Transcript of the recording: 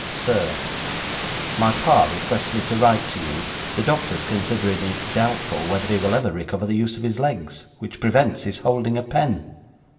'SIR, 'My pa requests me to write to you, the doctors considering it doubtful whether he will ever recuvver the use of his legs which prevents his holding a pen.